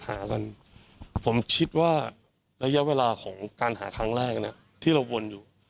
หากันผมคิดว่าระยะเวลาของการหาครั้งแรกนะที่เราวนอยู่